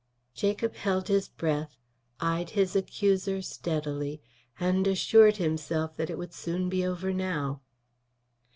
Jacob held his breath, eyed his accuser steadily, and assured himself that it would soon be over now.